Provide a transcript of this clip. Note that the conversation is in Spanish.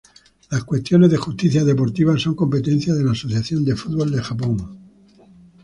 Las cuestiones de justicia deportiva son competencia de la Asociación de Fútbol de Japón.